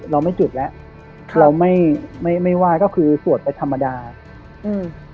เราไม่จุดแล้วค่ะเราไม่ไม่ไหว้ก็คือสวดไปธรรมดาอืม